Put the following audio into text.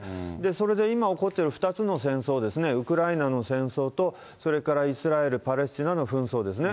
それで今起こっている２つの戦争ですね、ウクライナの戦争と、それからイスラエル、パレスチナの紛争ですね。